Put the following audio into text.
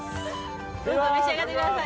召し上がってください。